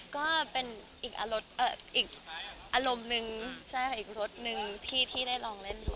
ก็เป็นอีกอารมณ์หนึ่งใช่ค่ะอีกรถหนึ่งที่ได้ลองเล่นดู